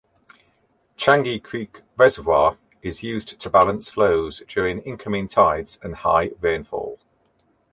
Changi Creek Reservoir is used to balance flows during incoming tides and high rainfall.